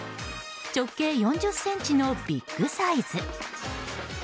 直径４０ｃｍのビッグサイズ。